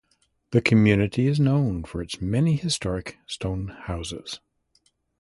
The community is known for its many historic stone houses.